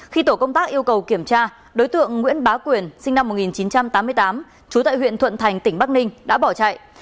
khi tổ công tác yêu cầu kiểm tra đối tượng nguyễn bá quyền sinh năm một nghìn chín trăm tám mươi tám trú tại huyện thuận thành tỉnh bắc ninh đã bỏ chạy